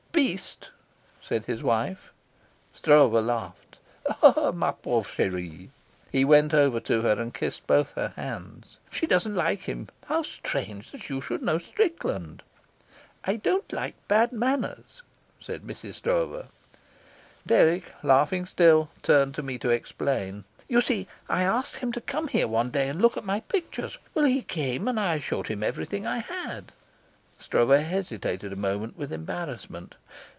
"Beast," said his wife. Stroeve laughed. He went over to her and kissed both her hands. "She doesn't like him. How strange that you should know Strickland!" "I don't like bad manners," said Mrs. Stroeve. Dirk, laughing still, turned to me to explain. "You see, I asked him to come here one day and look at my pictures. Well, he came, and I showed him everything I had." Stroeve hesitated a moment with embarrassment.